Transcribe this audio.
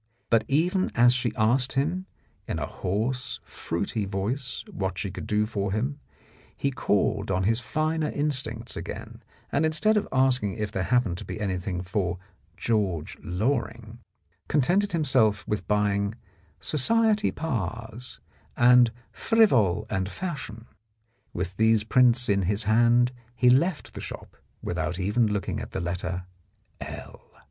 But, even as she asked him in a hoarse, fruity voice what she could do for him, he called on his finer instincts again, and instead of asking if there happened to be anything for George Loring, contented himself with buying "Society Pars" and "Frivol and Fashion." With these prints in his hand, he left the shop without even looking at letter L.